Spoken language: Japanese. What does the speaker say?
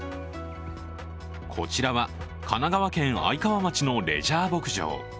こちらは神奈川県愛川町のレジャー牧場。